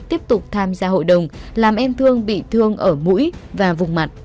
tiếp tục tham gia hội đồng làm em thương bị thương ở mũi và vùng mặt